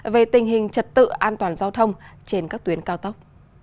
về tình hình trật tự an toàn giao thông trên các tuyến cao tốc